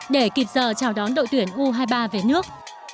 để kịp giờ chào đón đội tuyển u hai mươi ba về nước